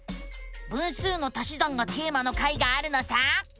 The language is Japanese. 「分数の足し算」がテーマの回があるのさ！